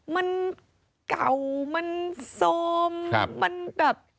มันเก่ามันสมมันแบบ